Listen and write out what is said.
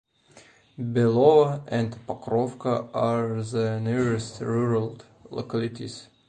Belovo and Pokrovka are the nearest rural localities.